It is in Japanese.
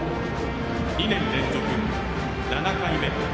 ２年連続７回目。